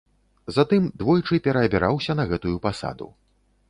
Затым двойчы пераабіраўся на гэтую пасаду.